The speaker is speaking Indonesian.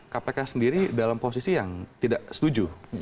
kpk sendiri dalam posisi yang tidak setuju